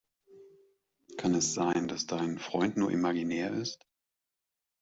Kann es sein, dass dein Freund nur imaginär ist?